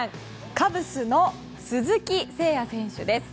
カブスの鈴木誠也選手です。